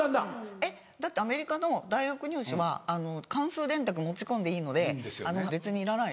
えっだってアメリカの大学入試は関数電卓持ち込んでいいので別にいらない